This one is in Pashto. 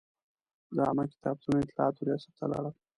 د عامه کتابتون او اطلاعاتو ریاست ته لاړم.